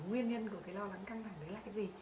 nguyên nhân của cái lo lắng căng thẳng đấy là cái gì